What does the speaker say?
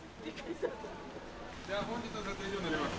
じゃあ本日の撮影以上になります。